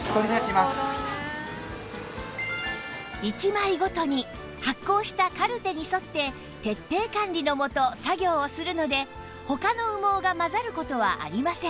１枚ごとに発行したカルテに沿って徹底管理のもと作業をするので他の羽毛が混ざる事はありません